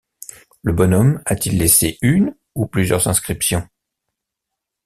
Le bonhomme a-t-il laissé une ou plusieurs inscriptions